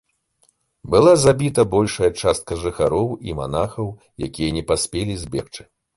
Была забіта большая частка жыхароў і манахаў, якія не паспелі збегчы.